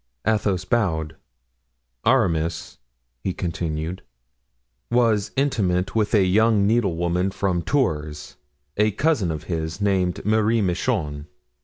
Athos bowed. "Aramis," he continued, "was intimate with a young needlewoman from Tours, a cousin of his, named Marie Michon."